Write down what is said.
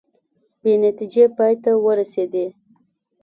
بې نتیجې پای ته ورسیدې